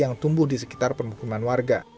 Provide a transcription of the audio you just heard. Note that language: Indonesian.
yang tumbuh di sekitar permukiman warga